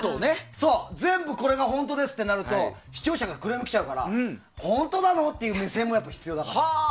全部これが本当ですってなると視聴者からクレームが来ちゃうから本当なの？っていう目線も必要だから。